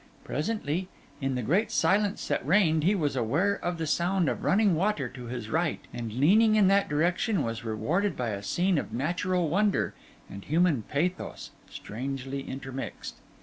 Presently, in the great silence that reigned, he was aware of the sound of running water to his right; and leaning in that direction, was rewarded by a scene of natural wonder and human pathos strangely intermixed.